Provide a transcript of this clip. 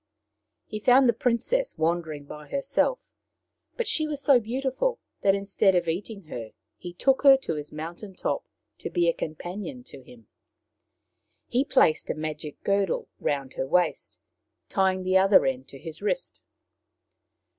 He found the princess wandering by herself, but she was so beautiful that instead of eating her he took her to his mountain top to be a companion to him. He placed a magic girdle round her waist, tying the other end to his wrist.